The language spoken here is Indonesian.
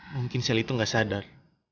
mungkin sally itu gak sadar